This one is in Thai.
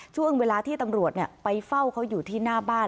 ช่วงเวลาที่ตำรวจไปเฝ้าเขาอยู่ที่หน้าบ้าน